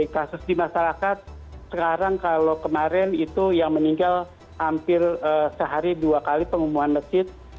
kasus di masyarakat sekarang kalau kemarin itu yang meninggal hampir sehari dua kali pengumuman masjid